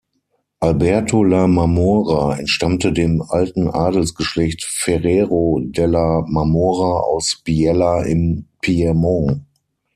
Alberto La Marmora entstammte dem alten Adelsgeschlecht Ferrero Della Marmora aus Biella im Piemont.